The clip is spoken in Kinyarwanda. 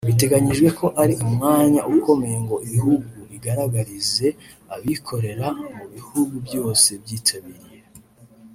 Biteganyijwe ko ari umwanya ukomeye ngo ibihugu bigaragarize abikorera mu bihugu byose byitabiriye